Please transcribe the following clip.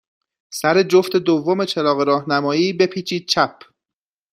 سر جفت دوم چراغ راهنمایی، بپیچید چپ.